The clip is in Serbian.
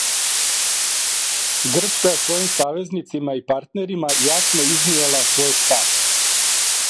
Грчка је својим савезницима и партнерима јасно изнијела свој став.